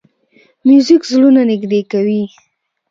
موزیک زړونه نږدې کوي.